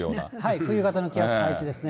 冬型の気圧配置ですね。